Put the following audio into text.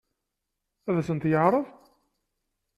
Ad sen-t-yeɛṛeḍ?